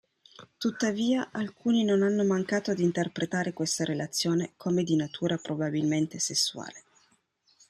Tuttavia alcuni non hanno mancato di interpretare questa relazione come di natura probabilmente sessuale.